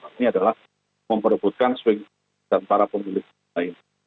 ini adalah memperlukan swing dan para pemilu lain